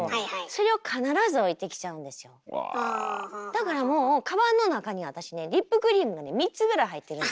だからもうカバンの中に私ねリップクリームがね３つぐらい入ってるの。